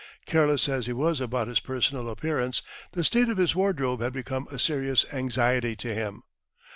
Careless as he was about his personal appearance, the state of his wardrobe had become a serious anxiety to him.